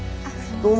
どうも。